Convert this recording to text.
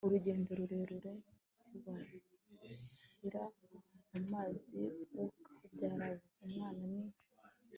urugendo rurerure, ntiwanshyira mu mazi wokabyara we! umwana ni